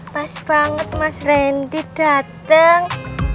pas banget mas rendy dateng